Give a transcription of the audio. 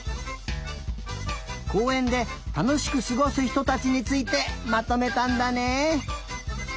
こうえんでたのしくすごすひとたちについてまとめたんだね。